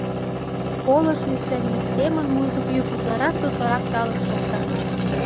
Школыш лишемме семын музык йӱк утларак да утларак талын шокта.